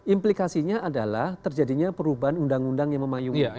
implikasinya adalah terjadinya perubahan undang undang yang memayungi